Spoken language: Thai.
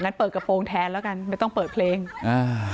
เปิดกระโปรงแทนแล้วกันไม่ต้องเปิดเพลงอ่า